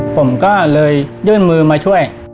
ผมก็เลยยื่นมือมาช่วย